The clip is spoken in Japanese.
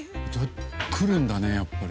来るんだねやっぱり。